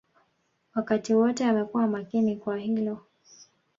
Wakati wote amekuwa makini kwa hilo